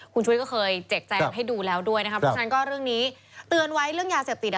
คุณชุวิตก็เคยแจกแจงให้ดูแล้วด้วยนะครับเพราะฉะนั้นก็เรื่องนี้เตือนไว้เรื่องยาเสพติดอ่ะ